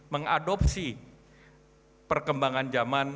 mengadopsi perkembangan zaman